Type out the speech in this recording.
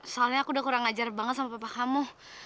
soalnya aku udah kurang ajar banget sama papa kamu